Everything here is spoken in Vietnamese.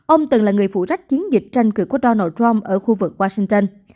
ông từng là người phụ trách chiến dịch tranh cử của donald trump ở khu vực washington